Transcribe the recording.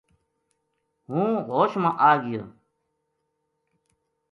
ہوں ہوش ما آ گیو